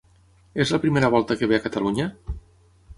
És la primera volta que ve a Catalunya?